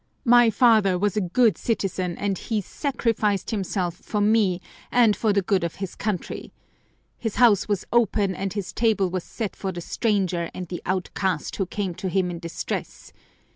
My father was a good citizen and he sacrificed himself for me and for the good of his country. His house was open and his table was set for the stranger and the outcast who came to him in distress!